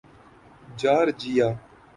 Georgia